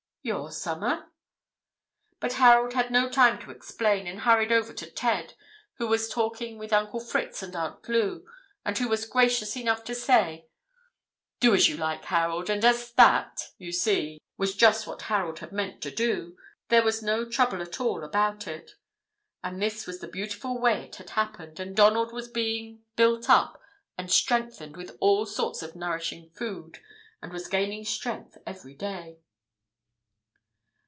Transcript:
"Your summer?" but Harold had no time to explain, and hurried over to Ted, who was talking with Uncle Fritz and Aunt Lou, and who was gracious enough to say, "Do as you like, Harold and as that, you see, was just what Harold had meant to do, there was no trouble at all about it. And this was the beautiful way it had happened, and Donald was being built up and strengthened with all sorts of nourishing food, and was gaining strength every day.